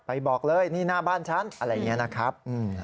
บอกเลยนี่หน้าบ้านฉันอะไรอย่างนี้นะครับ